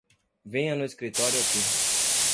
Venha no escritório aqui.